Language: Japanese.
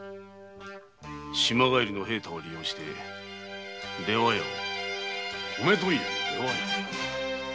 島帰りの平太を利用して「出羽屋」を。米問屋の出羽屋？